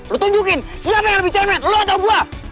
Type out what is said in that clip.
lo tunjukin siapa yang lebih cermet lo atau gue